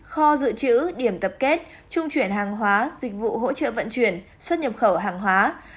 kho dự trữ điểm tập kết trung chuyển hàng hóa dịch vụ hỗ trợ vận chuyển xuất nhập khẩu hàng hóa